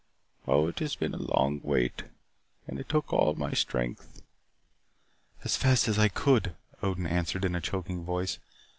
Oh, it has been a long wait and it took all my strength." "As fast as I could," Odin answered in a choking voice.